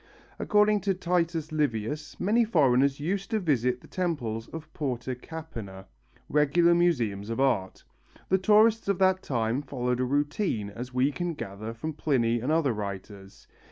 According to Titus Livius many foreigners used to visit the temples of Porta Capena, regular museums of art. The tourists of that time followed a routine, as we can gather from Pliny and other writers.